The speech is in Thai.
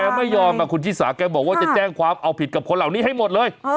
ไม่ยอมคุณชิสาแกบอกว่าจะแจ้งความเอาผิดกับคนเหล่านี้ให้หมดเลย